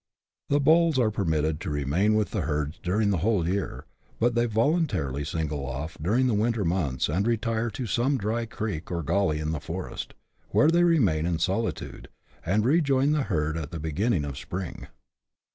The bulls are permitted to remain with the herds during the whole year, but they voluntarily single off during the winter months, and retire to some dry creek, or " gully," in the forest, where they remain in solitude, and rejoin the herd at the beginning of spring.